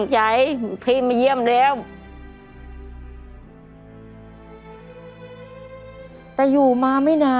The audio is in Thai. ใช่ด้วยเต็ด